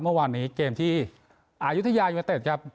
เมื่อวานนี้เกมที่อายุทยายูเนเต็ดครับ